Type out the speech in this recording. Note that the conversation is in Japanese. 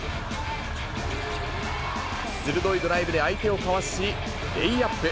鋭いドライブで相手をかわし、レイアップ。